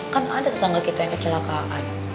kan ada tetangga kita yang kecelakaan